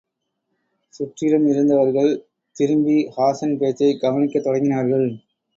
சுற்றிலும் இருந்தவர்கள், திரும்பி ஹாசன் பேச்சைக் கவனிக்கத் தொடங்கினார்கள்.